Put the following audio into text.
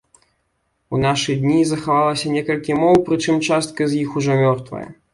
У нашы дні захавалася некалькі моў, прычым частка з іх ужо мёртвая.